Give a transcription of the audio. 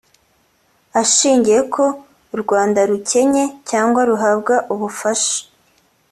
ashingiye ko u Rwanda rukennye cyangwa ruhabwa ubufasha